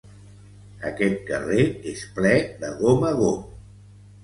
Aquest carrer és ple de gom a gom.